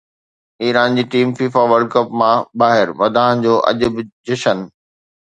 Iran جي team FIFA world cup مان ٻاهر، مداحن جو اڄ به جشن